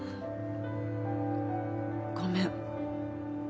ごめん。